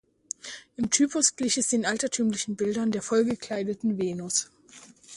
Im Typus glich es den altertümlichen Bildern der voll gekleideten Venus.